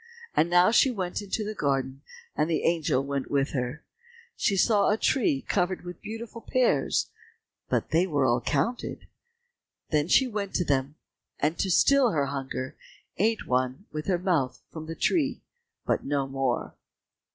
And now she went into the garden and the angel went with her. She saw a tree covered with beautiful pears, but they were all counted. Then she went to them, and to still her hunger, ate one with her mouth from the tree, but no more.